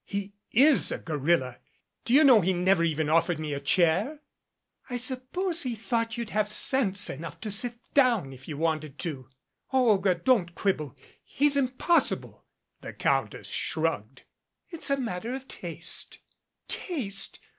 He is a gorilla. Do you know he never even offered me a chair?" "I suppose he thought you'd have sense enough to sit down if you wanted to." "O Olga, don't quibble. He's impossible." The Countess shrugged. "It's a matter of taste." "Taste